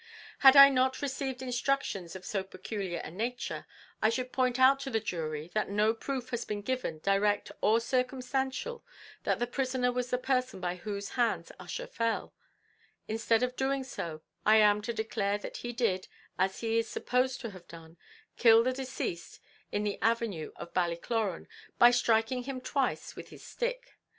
"Had I not received instructions of so peculiar a nature, I should point out to the jury that no proof has been given direct or circumstantial, that the prisoner was the person by whose hands Ussher fell; instead of doing so I am to declare that he did, as he is supposed to have done, kill the deceased in the avenue of Ballycloran, by striking him twice with his stick.